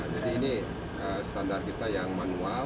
jadi ini standar kita yang manual